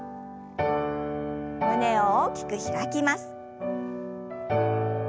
胸を大きく開きます。